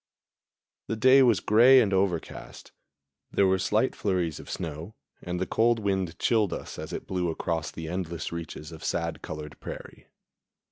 The day was gray and overcast. There were slight flurries of snow, and the cold wind chilled us as it blew across the endless reaches of sad colored prairie.